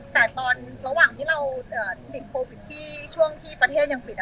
แต่ตอนระหว่างที่เราติดโควิดที่ช่วงที่ประเทศยังปิด